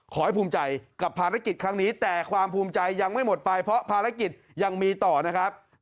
ภูมิใจกับภารกิจครั้งนี้แต่ความภูมิใจยังไม่หมดไปเพราะภารกิจยังมีต่อนะครับ